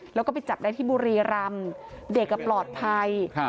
แล้วก็ไปจับได้ที่บุรีรำเด็กปลอดภัย